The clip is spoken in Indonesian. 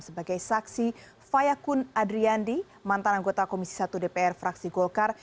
sebagai saksi fayakun adriandi mantan anggota komisi satu dpr fraksi golkar